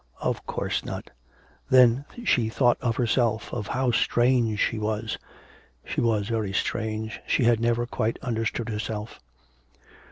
Of course not. Then she thought of herself, of how strange she was. She was very strange, she had never quite understood herself.